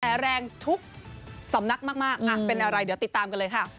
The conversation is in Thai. แรงทุกสำนักมากเป็นอะไรเดี๋ยวติดตามกันเลยค่ะ